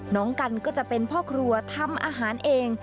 น้องกันก็จะเป็นพ่อครัวทำอาหารเอง